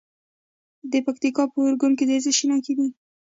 د پکتیکا په اورګون کې د څه شي نښې دي؟